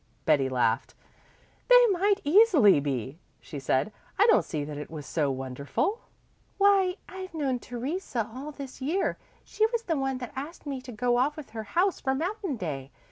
Betty laughed. "They might easily be," she said. "I don't see that it was so wonderful." "Why, I've known Theresa all this year she was the one that asked me to go off with her house for Mountain Day.